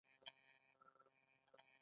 ایا مصنوعي ځیرکتیا د قانوني خلا سبب نه ګرځي؟